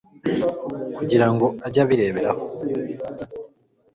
kugira ngo ajye abireberaho